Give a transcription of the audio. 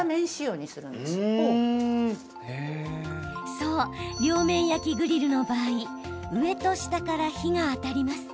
そう、両面焼きグリルの場合上と下から火が当たります。